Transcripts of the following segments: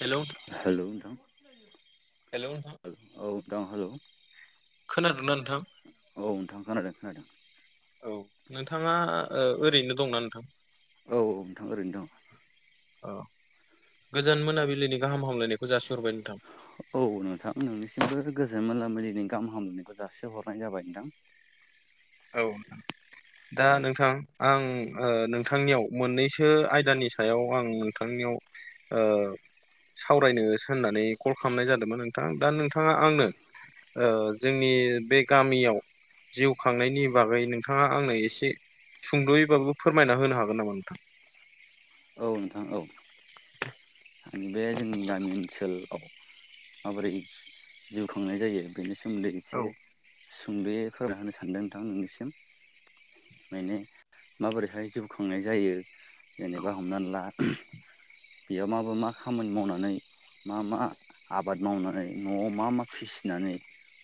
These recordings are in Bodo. हेल' हेलौ नोंथां हेलौ नोंथां औ दां हेलौ खोनादोंना नोंथां औ नोंथां खोनादों खोनादों औ नोंथाङा ओ ओरैनो दंना नोंथां औ नोंथां ओरैनो दं अ गोजोन मोनाबिलिनि गाहाम हामलायनायखौ जासिहरबाय नोंथां औ नोंथां नोंनिसिमबो गोजोन मोनाबिलिनि गाहाम हामलायनायखौ जासि हरनाय जाबाय नोंथां औ नोंथां दा नोंथां आं ओ नोंथांनियाव मोननैसो आयदानि सायाव आं नोंथांनियाव ओ सावरायनोसो होननानै कल खालामनाय जादोमोन नोंथां दा नोंथाङा आंनो ओ जोंनि बे गामियाव जिउ थांनायनि बागै नोंथाङा आंनो एसे सुंद'यैबाबो फोरमायना होनो हागोन नामा नोंथां औ नोंथां औ बे जोंनि गामि ओनसोलाव माबोरै जिउ खांनाय जायो बेनि सोमोन्दै एसे औ सुंदेै फोरोमायना होनो सानदों नोंथां मोनिसिम माने माबोरैहाय जिउ खुंनाय जायो जेनेबा हमनानै ला बेयाव माबा मा खामानि मावनानै मा मा आबाद मावनानै न'आव मा मा फिसिनानै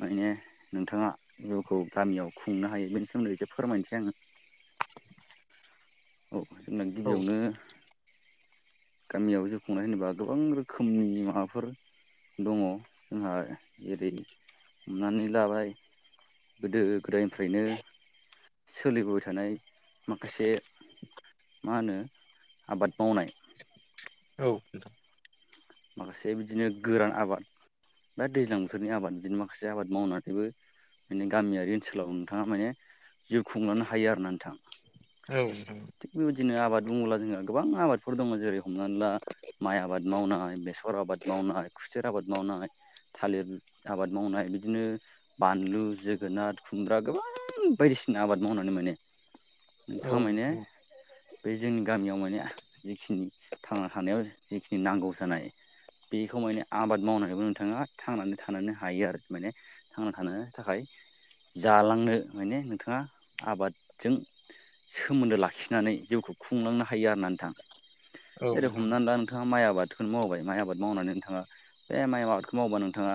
माने नोंथाङा जिउखौ गामियाव खुंनो हायो बेनि सोमोन्दै एसे फोरमायनोसै आङो औ जोंना औ गिबियावनो गामियाव जिउ खुंनाय होनोबा गोबां रोखोमनि माबाफोर दङ जोंहा जेरै हमनानै लाबाय गोदो गोदायनिफ्रायनो सोलिबोबाय थानाय माखासे मा होनो आबाद मावनाय औ नोंथां माखासे बिदिनो गोरान आबाद दा दैज्लां बोथोरनि आबाद बिदिनो माखासे आबाद मावनानैबो माने गामियारि ओनसोलाव नोंथाङा माने जिउ खुंलांनो हायो आरो ना नोंथां औ बेबायदिनो आबाद बुङोब्ला जोंहा गोबां आबादफोर दङ जेरै हमनानै ला माइ आबाद मावनाय बेसर आबाद मावनाय खुसेर आबाद मावनाय थालिर आबाद मावनाय बिदिनो बानलु जोगोनार खुमब्रा गोबां बायदिसिना आबाद मावनानै मोनो औ नोंथाङा माने नोंथां बे जोंनि गामियाव माने जिखिनि थांना थानायाव जिखिनि नांगौ जानाय बेखौ माने आबाद मावनानैबो नोंथाङा थांनानै थनो हायो आरो माने थांना थानो थाखाय जालांनो माने नोंथाङा आबादजों सोमोन्दो लाखि खिनानै जिउखौ खुंलांनो हायो आरो ना नोंथाङा औ जेरै नोंथां हमनानै ला नोंथाङा माइ आबाद खौनो मावबाय माइ आबाद मावनानै नोंथाङा बे माइ आबादखौ मावबा नोंथाङा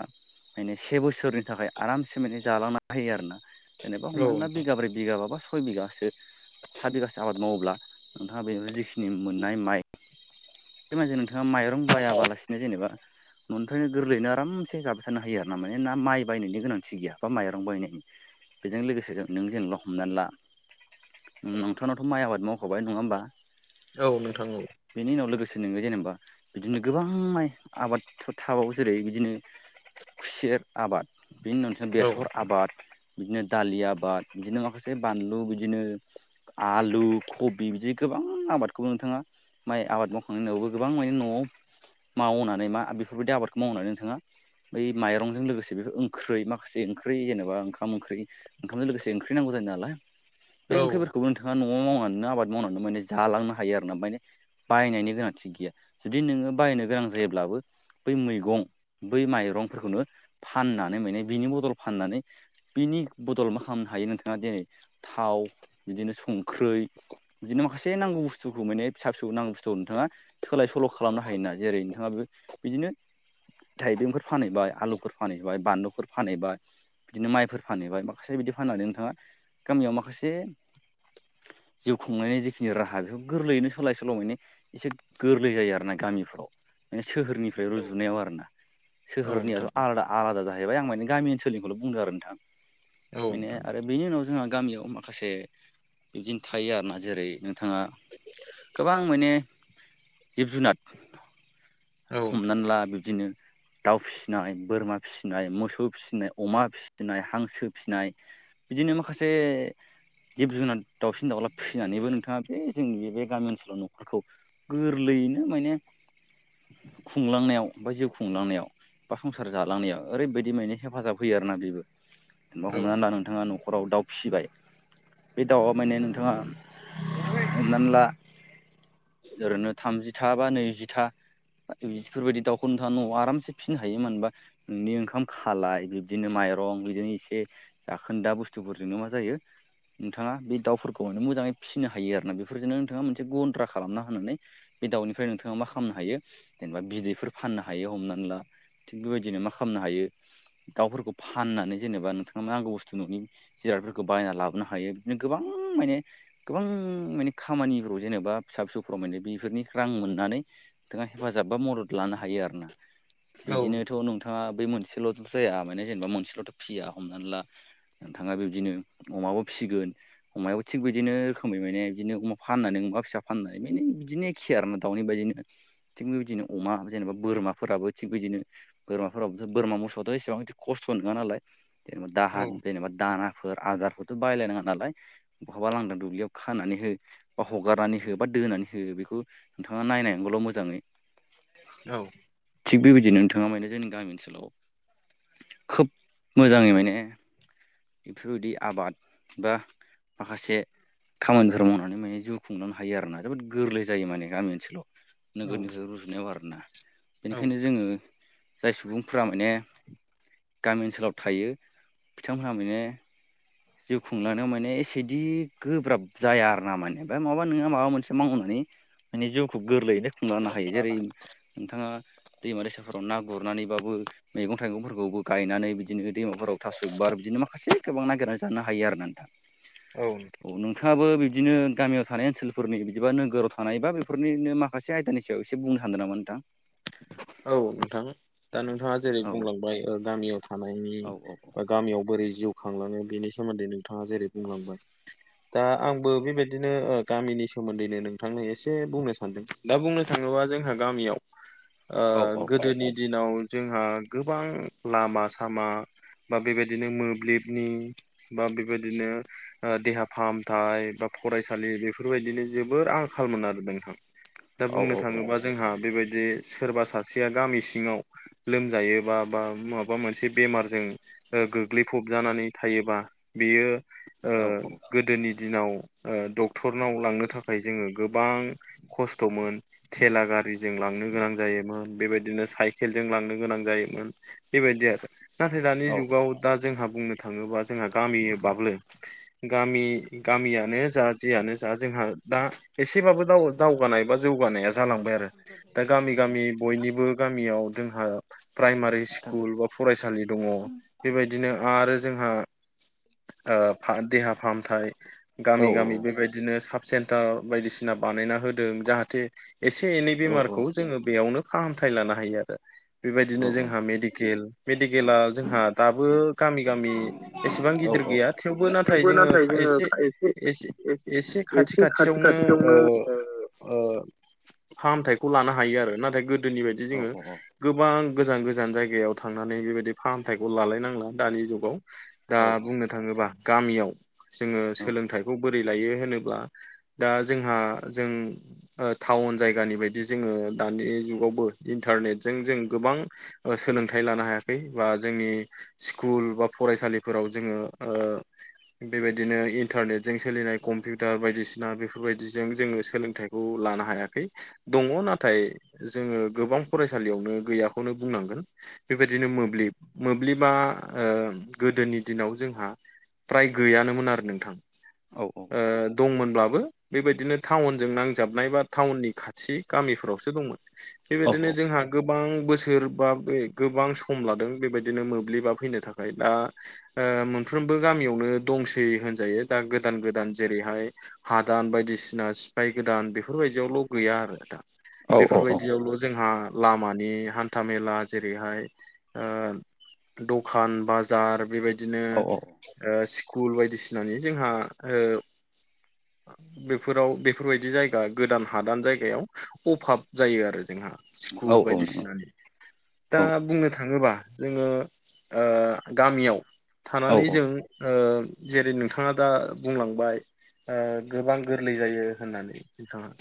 माने से बोसोरनि थाखाय आरामसे माने जालांनो होयो आरो ना जेनेबा औ हमनानै ला बिगाब्रै बिगााबाबा सय बिगासो साय बिगासो आबाद मावोब्ला नोंथाङा बेनिफ्राय जिखिनि मोननाय माइ बे मायजों नोंथाङा माइरं बायाबालासिनो जेनेबा न'निफ्रायनो गोरलैनो आरामसे जाबाय थानो हायो आरो ना माने ना माइ बायनायनि गोनांथि गैया बा माइरं बायनायनि बेजों लोगोसे नों जेनेबा हमनानै ला भुटानावथ' माइ आबाद मावखाबाय नङा होमबा औ नोंथां औ बेनि उनाव लोगोसे नोङो जेनेबा बिदिनो गोबां माइ आबादफोर थाबावो जेरै बिदिनो खुसेर आबाद बेनि उनाव औ बेसर आबाद बिदिनो दालि आबाद बिदिनो माखासे बानलु बिदिनो आलु कबि बिदि गोबां आबादखौबो नोंथाङा माइ आबाद मावखांनायनि उनावबो गोबां माने न'आव मावनानै मा बेफोरबायदि आबादखौ मावनानै नोंथाङा बै माइरंजों लोगोसे बेफोर ओंख्रै माखासे ओंख्रि जेनेबा ओंखाम ओंख्रि ओंखामजों लोगोसे ओंख्रि नांगौ जायो नालाय औ बे ओंख्रिफोरखौ खौबो नोंथाङा न'आव मावनानैनो आबाद मावनानै माने जालांनो हायो आरो नामाने बायनायनि गोनांथि गैया जुदि नोङो बायनो गोनां जायोब्लाबो बै मैगं बै माइरंफोरखौनो फाननानै माने बिनि बदल फाननानै बिनि बदल मा खालामनो हायो नोंथाङा दिनै थाव बिदिनो संखै बिदिनो माखसेांगौ बुस्थु मान फिसा फिौ नांगौ बुथखौ नोंथाङा सोलाय सोल' खालामनो हायोना जेरै नोंथाङा बे बिदिनो थाइबेंफोर फानहैबाया आलुफोर फानहैबाय बानलुफोर फानहैबाय बिदिनो माइफोर फानहोबा माखासे बिदि फाननानै नोंथाङा गामियाव माखासे जिउ खुंनायनि जिखिनि राहा बेखौ गोरलैयैनो सोलाय सोल' मानि एसे गोरलै जायो आरो ना गामिफ्राव माने सोहोरनिफ्राय औ रुजुनायाव आरोना औ नोंथां सोहोरनियाथ' औ आलादा आलादा जाहैबाय आं माने गामि ओनसोलनिखौल' बुंदों आरो औ नोंथां माखासे बिबदिनो थायो आरोना जेरै नोंथाङा गोबां माने जिब जुनार नोंथां हमनानै ला बिबदिनो दाउ फिसिनाय बोरमा फिसिनाय मोसौ फिसिनाय अमा फिसिनाय हांसो फिसिनाय बिदिनो माखासे जिब जुनार दाउसिन दाउला फैनानैबो नोंथाङा बे जोंनि बे गामि ओनसोलाव न'खरखौ गोरलैयैनो माने खुंलांनायाव बा जिउ खुंलांनायाव बा संसार जालांनायाव ओरैबायदि माने हेफाजाब होयो आरोना बेबो जेनेबा औ हमनानै ला नोंथाङा नखराव दाउ फिबाय बे दाउआ माने नोंथाङा हमनानै ला ओरैनो थामजिथा बा नैजिथा बिदिफोरबायदि दाखौ नोंथाङा न'आव आरामसे फिनो हायो मोनबा नोंनि ओंखाम खालाय बिब्दिनो माइरं बिदिनो एसे जाखोन्दा बुस्थुफोरजोंनो मा जायो नोंथाङा बे दाउफोरखौ माने मोजाङै फिसिनो हायो आरोना बेफोरजोंनो नोंथाङा मोनसे गन्द्रा खालामना होनानै बे दाउनिफ्राय नोंथाङा मा खालामनो हायो जेनेबा बिदैफोर फाननो हायो हमनानै ला थिग बेबायदिनो मा खालामनो हायो। दाउफोरखौ फाननानै जेनेबा नोंथाङा नांगौ बुस्थु न'नि जिरादफोरखौ बायना लाबोनो हायो बिदिनो गोबां माने गोबां माने खामानिफ्राव जेनेबा फिसा फिसौफोराव माने बेफोरनि रां मोननानै बिथाङा हेफाजाब बा मदद लानो हायो आरोना औ बिदिनोथ' नोंथां नोंथाङा बै मोनसेल'थ' जाया माने जेनेबा मोनसेल'थ' फिया हमनानै ला नोंथाङा बिबदिनो अमाबो फिसिगोन अमायाव थिग बिदिनो रोखोमै माने बिदिनो अमा फाननानै अमा फिसा फाननानै माने बिदिनो खियारनो दाउनि बायदिनो थिग बेबायदिनो अमा जेनेबा बोरमाफोराबो थिग बिदिनो बोरमाफोराबोथ बोरमा मोसौआथ' एसेबां खस्थ' नङानालाय जेनेबा औ दाहान जेनेबा दानाफोर आदारफोरथ' बायलायनाङा नालाय बहाबा लांदां दुब्लियाव खानानै हो बा हगारनानै हो बा दोनानै हो बेखौ नोंथाङा नायांगौल' मोजाङै औ थिग बेबायदिनो नोंथाङा माने जोंनि गामि ओनसोलाव खोब मोजाङै माने बेफोरबायदि आबाद बा माखासे खामानिफोर मावनानै माने जिउ खुंलांनो हायो आरोना जोबोद गोरलै जायो माने गामि ओनसोलाव औ नोगोरनिफ्राय रुजुनायाव आरोना औ बेनिखायनो जोङो जाय सुबुंफ्रा माने गामि ओनसोलाव थायो बिथांमोनहा माने जिउ खुंलानो माने एसेदि गोब्राब जाया आर ना माने बा माबा नोङो माबा मोनसे मावनानै माने जिउखौ गोरलैयैनो खुंलांनो हायो जेरै नोंथाङा दैमा दैसाफोराव ना गुरनानैबाबो मैगं थाइगंफोरखौबो गायनानै बि [unintelligible] दैमाफोराव थास'बार बिदिनो माखासे गोबां नागिरना जानो हायो आरो ना नोंथा औ [unintelligible] औ नोंथाङाबो बिदिनो गामियाव थानाय ओनसोलफोरनि बिदिबा नोगोराव थानायबा बेफोरनिनो मा माखासे आइदानि सायाव इसे बुंनो हागोन नामा नोंथां औ नोंथां दा नोंथाङा जेरै औ बुंलांबाय ओ गामियाव थानायनि औ औ बा गामियाव बोरै जिउ खांलाङो बिनि सोमोन्दै नोंथाङा जेरै बुंलांबाय दा आंबो बेबायदिनो ओ गामिनि सोमोन्दैनो नोंथांनो एसे बुंनो सा सानदों दा बुंनो थाङोबा जोंहा गामियाव ओ औ औ गोदोनि दिनाव जोंहा गोबां लामा सामा बा बेबादिनो मोब्लिबनि बा बेबादिनो ओ देहा फाहामथाय बा फरायसालि बेफोरबायदिनि जोबोर आंखालमोन‌ आरो नोंथां दा औ बुंनो औ थाङोबा जोंहा बेबायदि सोरबा सासेया गामि सिङाव लोमजायो बा बा माबा मोनसे बेमारजों ओ गोग्लैफबजानानै थायोबा बियो ओ औ गोदोनि दिनाव ओ डक्टरनाव लांनो थाखाय जोङो गोबां खस्थ'मोन थेला गारिजों लांनो गोनां जायोमोन बेबायदिनो साइकेलजों लांनो गोनां जायोमोन बेबायदि आरो नाथाय दानि औ जुगाव दा जोंहा बुंनो थाङोबा जोंहा गामिबाब्लो गामि गामियानो जा जियानो जा जोंहा दा एसेबाबो दाव दावगानाय बा जौगानाया जालांबाय आरो दा गामि गामि बयनिबो गामियाव जोंहा प्राइमारि स्कुल बा फरायसालि दङ बेबायदिनो आरो जोंहा ओ फा‌ देहा फाहामथाय औ गामि गामि औ बेबायदिनो साब सेन्टार बायदिसिना बानायना होदों जाहाथे एसे एनै औ बेमारखौ जोङो बेयावनो फाहामथाय लानो हायो आरो औ बिबायदिनो जोंहा मेडिकेल मेडिकेला जोंहा दाबो गामि गामि एसेबां औ गिदिर औ गैया औ थेवबो नाथाय जोङो खायसे एसे एसे खाथि खाथियावनो ओ ओ फाहामथायखौ लाना हायो आरो नाथाय गोदोनि बायदि ओ जोङो औ गोबां गोजान गोजान जायगायाव थांनानै बेबायदि फाहामथायखौ लालाय नांला दानि जुगाव दा औ बुंनो थाङोबा गामियाव जोङो सोलोंथाइखौ बोरै लायो होनोब्ला दा जोंहा जों ओ टाउन जायगानि बायदि जोङो दानि जुगावबो इन्टारनेटजों जों गोबां ओ सोलोंथाइ लानो हायाखै बा जोंनि स्कुल बा फरायसालिफोराव जोङो ओ बेबायदिनो इन्टारनेटजों सोलिनाय कम्पिउटार बायदिसिना बेफोरबायदिजों जोङो सोलोंथाइ खौ लानो हायाखै दङ ना थाय जोङो गोबां फरायसालियावनो गैयाखौनो बुंनांगोन। बेबायदिनो मोब्लिब मोब्लिबा ओ गोदोनि दिनाव जोंहा फ्राय गैयानोमोन आरो नोंथां। औ औ। ओ दंमोनब्लाबो बेबायदिनो टाउनजों नांजाबनाय बा टाउननि खाथि गामिफ्राव सो दंमोन औ बेबायदिनो जोंहा गोबां बोसोर बा बे गोबां सम लादों बेबायदिनो मोब्लिबा फैनो थाखाय दा ओ मोनफ्रोमबो गामियावनो दंसै होनजायो दा गोदान गोदान जेरैहाय हादान बायदिसिना सिफाय गोदान बेफोर बायदियावल' गैया आरो दा औ बेफोर बायदियावल' जोंहा लामानि हान्था मेला जेरैहाय ओ दखान बाजार बेबायदिनो ओ स्कुल बायदिसिनानि जोंहा ओ बेफोराव बेफोरबायदि जायगा गोदान हादान जायगायाव अभाब जायो आरो जोंहा औ स्कुल नंगौ औ बायदिसिनानि दा बुंनो थाङोबा जोङो ओ गामियाव थानानै जों ओ जेरै नोंथाङा दा बुंलांबाय ओ गोबां गोरलै जायो होननानै नोंथाङा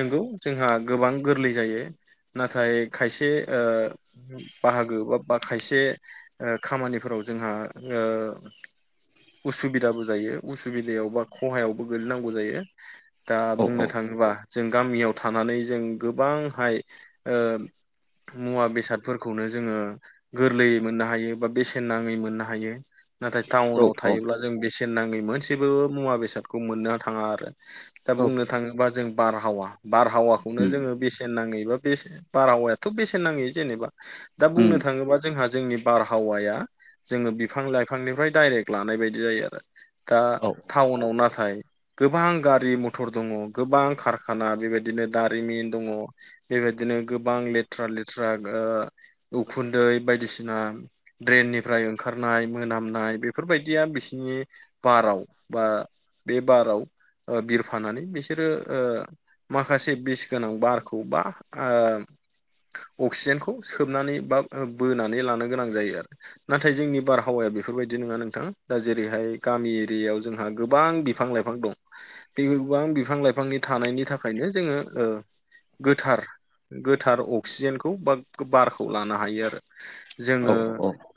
नोंगौ जोंहा गोबां गोरलै जायो नाथाय खायसे ओ बाहागो बा बा खायसे ओ खामानिफोराव जोंहा ओ उसुबिदाबो जायो उसुबिदायाव बा खहायावबो गोलैनांगौ जायो। दा बुंनो औ थाङोबा जों गामियाव थानानै जों गोबांहाय ओ मुवा बेसादफोरखौनो जोङो गोरलैयै मोननो हायो बा बेसेन नाङै मोननो हायो नाथाय टाउनाव औ थायोब्ला जों बेसेन नाङि मोनसेबो मुवा बेसादखौ मोननो थाङा आरो। दा औ बुंनो थाङोबा जों बारहावा बारहावाखौनो उम जोङो बेसेन नाङै बा बे बारहावायाथ' बेसेन नाङै जेनेबा दा उम बुंनो थाङोबा जोंहा जोंनि बारहावाया जोङो बिफां लाइफांनिफ्राय डाइरेक्ट लानाय बायदि जायो आरो। दा औ टाउनाव नाथाय गोबां गारि मथर दङ गोबां कारखाना बेबायदिनो दारिमिन दङ बेबायदिनो गोबां लेथ्रा लेथ्रा दा उखुन्दै बायदिसिना ड्रेननिफ्राय ओंखारनाय मोनामनाय बेफोरबायदिया बिसिनि बाराव बा बे बाराव बिरफानानै बिसोरो ओ माखासे बिस गोनां बारखौ बा ओ अक्सिजेनखौ सोबनानै बा बोनानै लानो गोनां जायो आरो। नाथाय जोंनि बारहावाया बेफोरबायदि नङा नोंथां दा जेरैहाय गामि एरियायाव जोंहा गोबां बिफां लाइ फां दं। बे गोबां बिफां लाइफांनि थानायनि थाखायनो जोङो ओ गोथार गोथार अक्सिजेनखौ बा बारखौ लानो हायो आरो। औ जोङो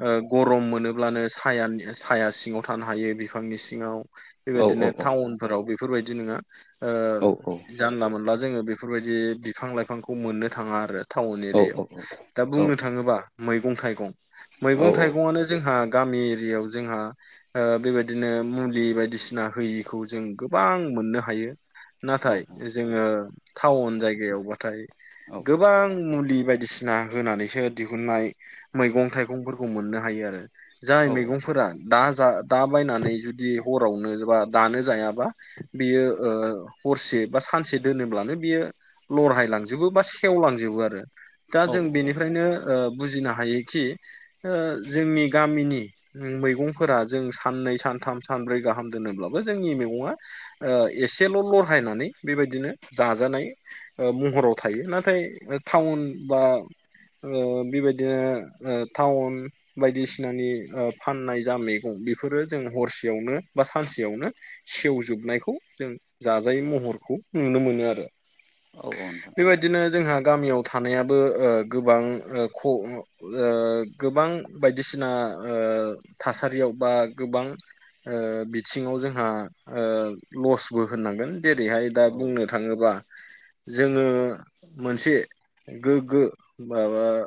ओ गरम मोनोब्लानो सायान साया सिङाव थानो हायो बिफांनि सिङाव। औ बेबायदिनो औ टाउनफोराव बेफोरबायदि नोङा ओ औ जानला मोनला जोङो बे फोरबायदि बिफां लाइफांखौ मोननो थाङा आरो टाउन औ औ एरियायाव दा बुंनो थाङोबा मैगं थाइगं मैगं थाइगंआनो जोंहा गामि एरियायाव जोंहा ओ बेबायदिनो मुलि बायदिसिना होयिखौ जों गोबां मोननो हायो। नाथाय जोङो टाउन जायगायावबाथाय गोबां मुलि बायदिसिना होनानैसो दिहुननाय मैगं थाइगंफोरखौ मोननो हायो आरो जाय मैगंफोरा दा जा दा बायनानै जुदि हरावनो बा दानो जायाबा बेयो हरसे बा सानसे दोनोब्लानो बियो लरहायलांजोबो बा सेवलांजोबो आरो। दा औ जों औ बेनिफ्रायनो ओ बुजिनो हायोखि ओ जोंनि गामिनि मैगंफोरा जों साननै सानथाम सानब्रै गाहाम दोनोब्लाबो जोंनि मैगङा ओ एसेल' लरहायनानै बेबायदिनो जाजानाय महराव थायो नाथाय टाउन बा ओ बेबायदिनो टाउन बायदिसिनानि फाननाय जा मैगं बेफोरो जों हरसेयावनो बा सानसेयावनो सेवजोबनायखौ जों जाजायै महरखौ नुनो मोनो आरो। नोंथां बेबायदिनो जोंहा गामियाव थानायाबो ओ गोबां ओ ख ओ गोबां बायदिसिना ओ थासारियाव बा गोबां ओ बिथिङाव जोंहा ओ लसबो होननांगोन। जेरैहाय दा औ बुंनो थाङोबा जोङो मोनसे गोग्गो बा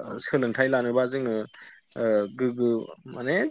औ सोलोंथाइ लानोबा जोङो गोग्गो माने जो